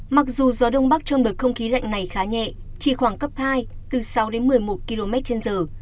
mặc dù gió đông bắc trong đợt không khí lạnh này khá nhẹ chỉ khoảng cấp hai từ sáu đến một mươi một km trên giờ